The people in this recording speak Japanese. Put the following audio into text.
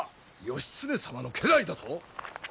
義経様の家来だと？